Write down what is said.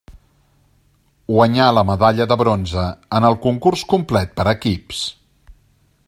Guanyà la medalla de bronze en el concurs complet per equips.